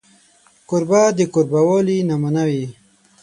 کوربه د کوربهوالي نمونه وي.